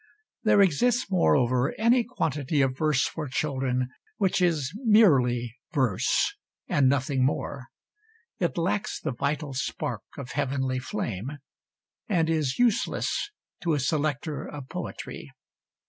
There exists, moreover, any quantity of verse for children, which is merely verse and nothing more. It lacks the vital spark of heavenly flame, and is useless to a selector of Poetry.